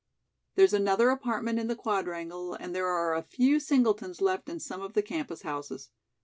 There's another apartment in the Quadrangle and there are a few singletons left in some of the campus houses.